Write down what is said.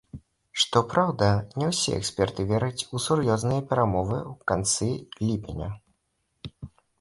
Што праўда, не ўсе эксперты вераць у сур'ёзныя перамовы ў канцы ліпеня.